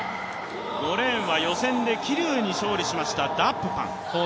５レーンは予選で桐生に勝利しましたダップバン。